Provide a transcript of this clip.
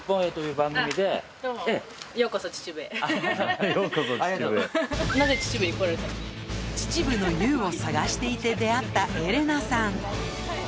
秩父のＹＯＵを捜していて出会ったエレナさん。